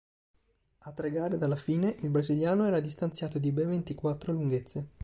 A tre gare dalla fine il brasiliano era distanziato di ben ventiquattro lunghezze.